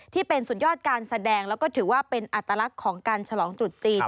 ที่เป็นสุดยอดการแสดงแล้วก็ถือว่าเป็นอัตลักษณ์ของการฉลองตรุษจีน